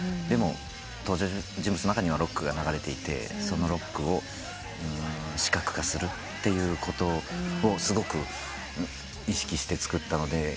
でも登場人物の中にはロックが流れていてそのロックを視覚化するっていうことをすごく意識して作ったので。